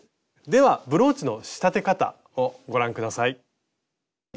ではブローチの仕立て方をご覧下さい。